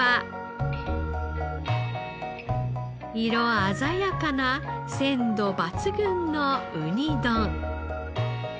色鮮やかな鮮度抜群のうに丼。